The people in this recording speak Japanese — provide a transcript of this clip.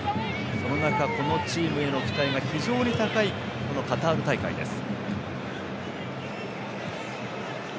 その中、このチームへの期待が非常に高い、カタール大会です。